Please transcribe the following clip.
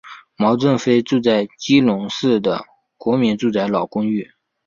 毛振飞住在基隆市的国民住宅老公寓。